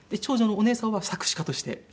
長女のお姉さんは作詞家として。